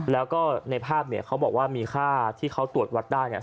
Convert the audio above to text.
แล้วก็ในภาพเนี่ยเขาบอกว่ามีค่าที่เขาตรวจวัดได้เนี่ย